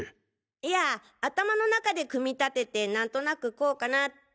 いや頭の中で組み立てて何となくこうかなって。